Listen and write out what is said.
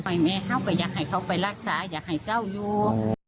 ให้แม่เขาก็อยากให้เขาไปรักษาอยากให้เจ้าอยู่